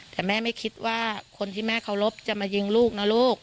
แต่แม่ไม่คิดว่าคนที่แม่เคารพจะมายิงลูกนะลูก